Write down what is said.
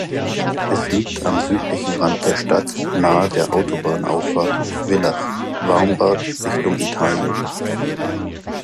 Es liegt am südlichen Rand der Stadt, nahe der Autobahnauffahrt Villach Warmbad Richtung Italien.